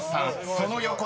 その横で］